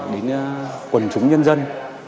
đến quần chúng nhân dân